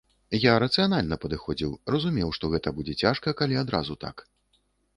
Я рацыянальна падыходзіў, разумеў, што гэта будзе цяжка, калі адразу так.